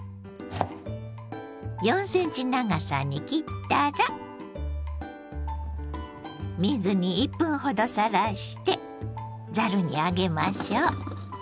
４センチ長さに切ったら水に１分ほどさらしてざるに上げましょう。